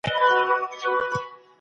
تمسخر کول د انساني کرامت خلاف کار دی.